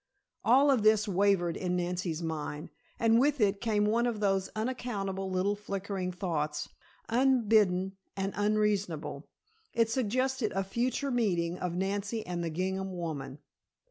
All of this wavered in Nancy's mind, and with it came one of those unaccountable little flickering thoughts, unbidden and unreasonable. It suggested a future meeting of Nancy and the gingham woman.